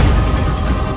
ruangkan kian santang